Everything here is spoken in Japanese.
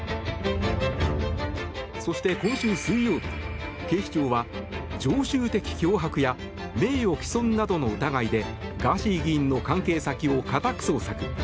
そして今週水曜日、警視庁は常習的脅迫や名誉棄損などの疑いでガーシー議員の関係先を家宅捜索。